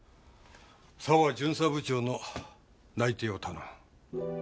沢巡査部長の内偵を頼む。